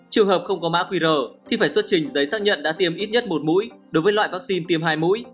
trường hợp không có mã qr thì phải xuất trình giấy xác nhận đã tiêm ít nhất một mũi đối với loại vaccine tiêm hai mũi